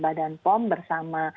badan pom bersama